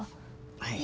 はい。